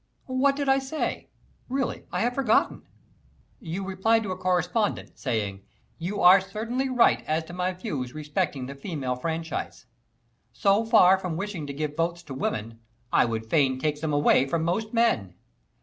"What did I say really I have forgotten?" "You replied to a correspondent, saying: 'You are certainly right as to my views respecting the female franchise. So far from wishing to give votes to women, I would fain take them away from most men.'"